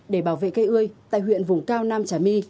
để bảo vệ cây ươi tại huyện vùng cao nam trà my